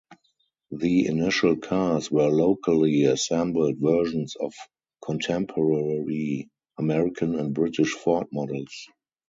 The initial cars were locally assembled versions of contemporary American and British Ford models.